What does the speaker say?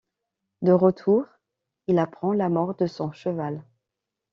De retour, il apprend la mort de son cheval.